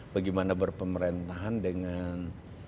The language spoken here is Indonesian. bagaimana berpemerintahan dengan